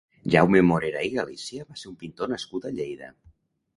Jaume Morera i Galícia va ser un pintor nascut a Lleida.